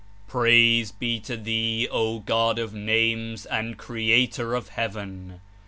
"Praise be to Thee, O God of Names and Creator of Heaven!